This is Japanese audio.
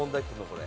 これ。